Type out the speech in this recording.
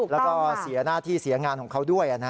แล้วก็เสียหน้าที่เสียงานของเขาด้วย